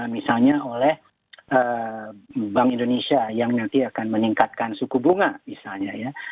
misalnya oleh bank indonesia yang nanti akan meningkatkan suku bunga misalnya ya